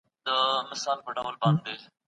هغه پوهان د سياست په اړه نوې نظرونه وړاندې کوي.